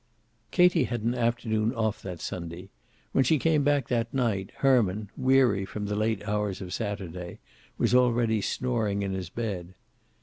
Katie had an afternoon off that Sunday. When she came back that night, Herman, weary from the late hours of Saturday, was already snoring in his bed.